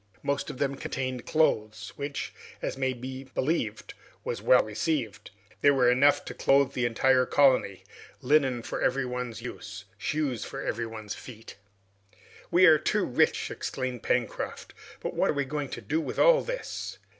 Most of them contained clothes, which, as may be believed, was well received. There were enough to clothe a whole colony linen for every one's use, shoes for every one's feet. "We are too rich!" exclaimed Pencroft, "But what are we going to do with all this?"